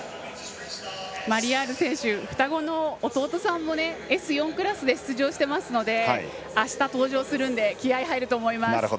マリヤール選手双子の弟さんもＳ４クラスで出場していますのであした、登場するので気合いが入ると思います。